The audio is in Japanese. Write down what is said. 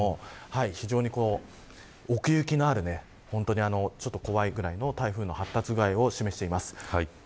非常に奥行きのある怖いぐらいの台風の発達具合を示しています。